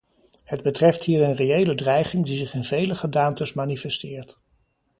Het betreft hier een reële dreiging die zich in vele gedaantes manifesteert.